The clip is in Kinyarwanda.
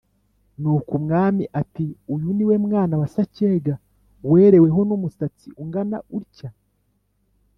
Nuko umwami ati « uyu ni we mwana wa Sacyega wereweho n'umusatsi ungana utya?»